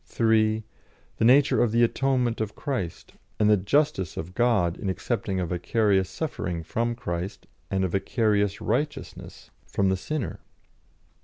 (3) The nature of the atonement of Christ, and the "justice" of God in accepting a vicarious suffering from Christ, and a vicarious righteousness from the sinner.